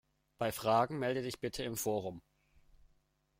Bei Fragen melde dich bitte im Forum!